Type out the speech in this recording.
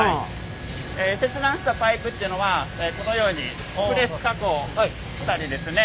切断したパイプっていうのはこのようにプレス加工したりですね